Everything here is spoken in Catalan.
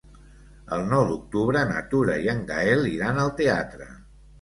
El nou d'octubre na Tura i en Gaël iran al teatre.